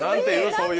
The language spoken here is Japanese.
そういう。